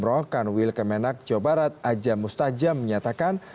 pertama umrohkan wilkemenak jawa barat aja mustajam menyatakan